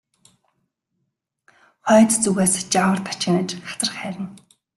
Хойд зүгээс жавар тачигнаж хацар хайрна.